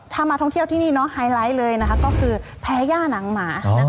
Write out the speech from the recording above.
ถ้ามาท่องเที่ยวที่นี่ไฮไลท์เลยก็คือแพ้ย่าหนังหมา